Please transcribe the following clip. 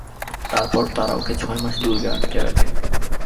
তারপর তারা ওকে ছয় মাস দুর্গে আটকে রাখে।